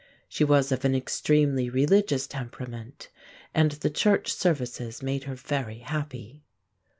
She was of an extremely religious temperament, and the church services made her very happy.